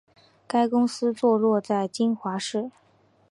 该公司坐落在金华市。